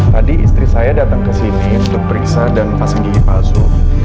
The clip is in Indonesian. tadi istri saya datang ke sini untuk periksa dan pasang gigi palsu